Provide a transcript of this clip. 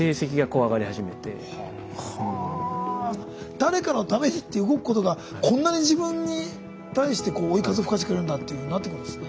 誰かのためにって動くことがこんなに自分に対して追い風吹かしてくれるんだっていうふうになってくるんですね。